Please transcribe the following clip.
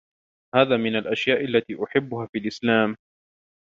هذا من الأشياء التي أحبّها في الإسلام.